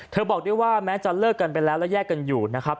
บอกด้วยว่าแม้จะเลิกกันไปแล้วและแยกกันอยู่นะครับ